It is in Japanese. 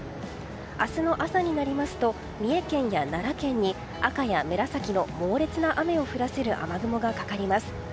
明日の朝になりますと三重県や奈良県に赤や紫の猛烈な雨を降らせる雨雲がかかります。